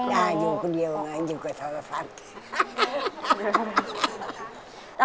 ย่าอยู่คนเดียวไงอยู่กับทรทัศน์